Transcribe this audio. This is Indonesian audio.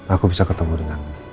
aku bisa ketemu denganmu